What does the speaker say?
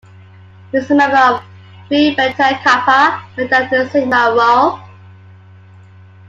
He was a member of Phi Beta Kappa and Delta Sigma Rho.